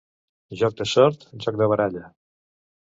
Joc de sort, joc de baralla.